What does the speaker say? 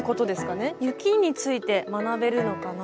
雪について学べるのかな？